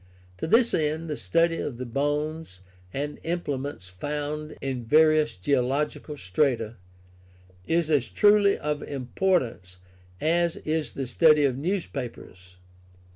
To this end the study of the bones and implements found in various geological strata is as truly of importance as is the study of newspapers.